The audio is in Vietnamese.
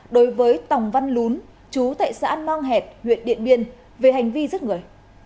đối với tòng văn lún chú tại xã long hẹt huyện điện biên về hành vi giấc người